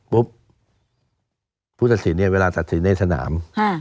ปุ๊บผู้ตัดสินเนี่ยเวลาตัดสินในสนาม